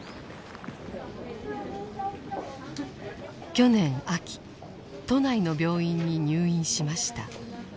去年秋都内の病院に入院しました。